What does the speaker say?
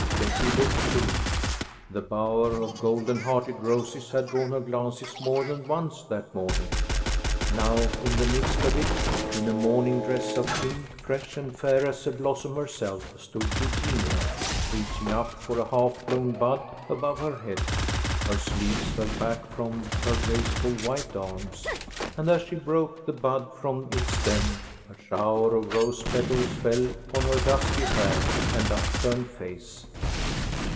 Betty looked too. That bower of golden hearted roses had drawn her glances more than once that morning. Now in the midst of it, in a morning dress of pink, fresh and fair as a blossom herself, stood Eugenia, reaching up for a half blown bud above her head. Her sleeves fell back from her graceful white arms, and as she broke the bud from its stem a shower of rose petals fell on her dusky hair and upturned face.